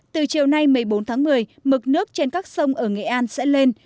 từ chiều nay một mươi bốn tháng một mươi mực nước trên các sông ở nghệ an sẽ lên